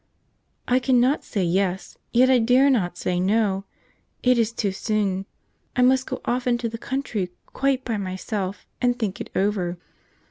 "I cannot say yes, yet I dare not say no; it is too soon. I must go off into the country quite by myself and think it over."